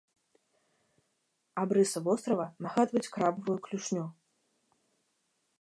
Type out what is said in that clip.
Абрысы вострава нагадваюць крабавую клюшню.